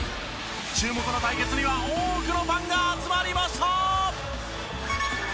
注目の対決には多くのファンが集まりました！